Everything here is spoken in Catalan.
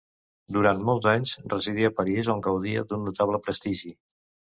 Durant molts anys residí a París on gaudia d'un notable prestigi.